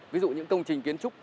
ví dụ những công trình kiến trúc